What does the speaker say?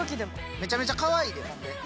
めちゃめちゃかわいいでほんで。